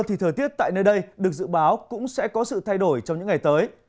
thì thời tiết tại nơi đây được dự báo cũng sẽ có sự thay đổi trong những ngày tới